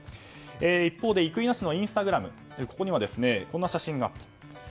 一方で生稲氏のインスタグラムにはこんな写真があったと。